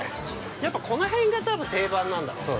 やっぱこの辺が定番なんだろうね。